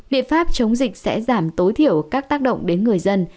biện pháp chống dịch sẽ giảm tối thiểu các tác động đến người dân